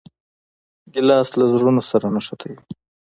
ګیلاس له زړونو سره نښتي وي.